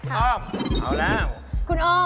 เอาละคุณอ้อมเอาละ